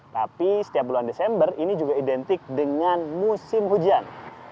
tapi setiap bulan desember ini juga identik dengan musim hujan